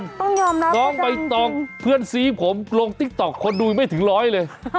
ต้องยอมรับน้องใบตองเพื่อนซี้ผมลงติ๊กต๊อกคนดูยังไม่ถึงร้อยเลย